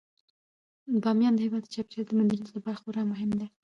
بامیان د هیواد د چاپیریال د مدیریت لپاره خورا مهم دی.